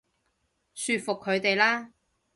說服佢哋啦